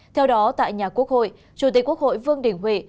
theo đó tại nhà quốc hội chủ tịch quốc hội vương đình huệ